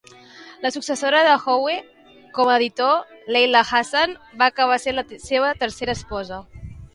La successora de Howe com a editor, Leila Hassan, va acabar sent la seva tercera esposa.